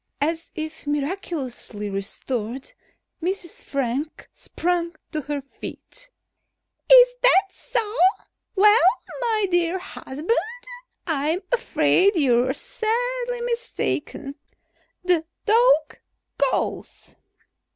As if miraculously restored, Mrs. Frank sprang to her feet. "Is that so? Well, my dear husband, I'm afraid you're sadly mistaken. The dog goes!"